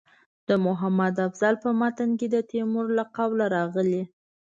د محمد افضل په متن کې د تیمور له قوله راغلي.